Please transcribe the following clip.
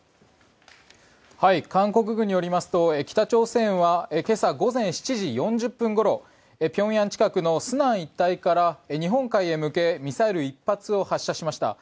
韓国軍によりますと北朝鮮は今朝午前７時４０分ごろ平壌近くの順安一帯から日本海へ向けミサイル１発を発射しました。